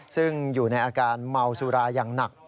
ซึ่งอยู่ในอาการเมาสุราอย่างหนัก